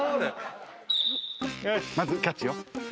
まずキャッチよ。